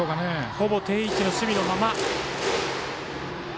ほぼ定位置の守備のまま。